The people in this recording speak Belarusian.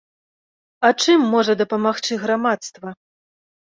А чым можа дапамагчы грамадства?